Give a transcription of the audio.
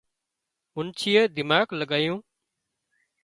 منڇيئي دماڳ لڳايون